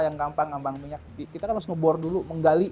yang gampang nambang minyak kita harus ngebor dulu menggali